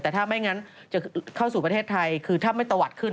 แต่ถ้าไม่งั้นจะเข้าสู่ประเทศไทยคือถ้าไม่ตะวัดขึ้น